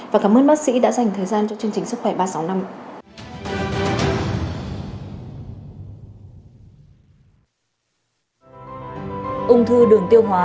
và cảm ơn bác sĩ đã dành thời gian cho chương trình sức khỏe ba trăm sáu mươi năm ạ